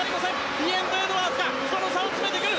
リエンド・エドワーズがその差を詰めてくる！